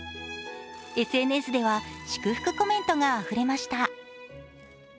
ＳＮＳでは祝福コメントがあふれました。